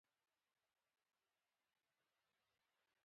او ملي وېښتیا ته لاره پرا نستل شوه